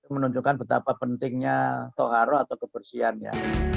menunjukkan betapa pentingnya toharo atau kebersihan ya